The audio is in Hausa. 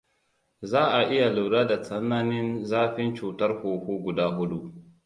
Za a iya lura da tsananin zafin cutar huhu guda hudu: